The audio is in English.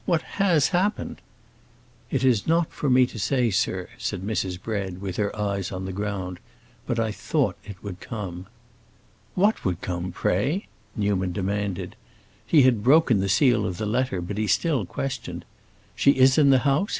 "What has happened?" "It is not for me to say, sir," said Mrs. Bread, with her eyes on the ground. "But I thought it would come." "What would come, pray?" Newman demanded. He had broken the seal of the letter, but he still questioned. "She is in the house?